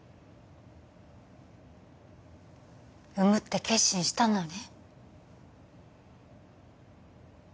産むって決心したのね？